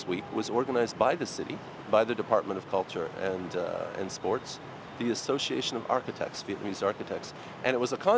những kế hoạch tiếp theo của unesco sẽ là những kế hoạch hoặc kế hoạch của unesco